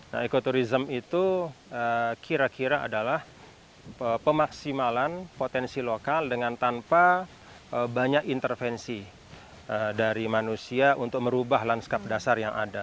nah ekoturism itu kira kira adalah pemaksimalan potensi lokal dengan tanpa banyak intervensi dari manusia untuk merubah lanskap dasar yang ada